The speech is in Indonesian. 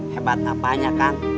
hebat apaan ya kang